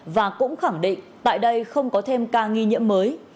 và cũng khẳng định tại đây không có thêm ca nghi nhiễm mới